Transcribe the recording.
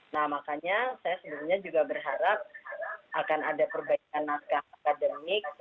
nah makanya saya sebelumnya juga berharap akan ada perbaikan naskah akademik